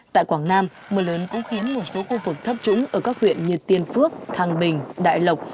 tại quảng nam mưa lớn cũng khiến một số khu vực thấp trũng ở các huyện như tiên phước thăng bình đại lộc